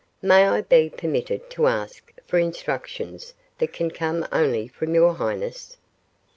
"May I be permitted to ask for instructions that can come only from your highness?"